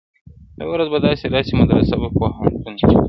• یوه ورځ به داسي راسي مدرسه به پوهنتون وي -